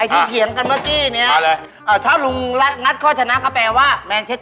เฮ้ยแข่งอะไรเนี่ย